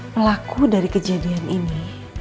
melaku dari kejadian ini